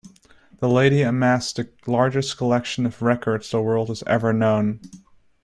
The lady amassed the largest collection of records the world has ever known.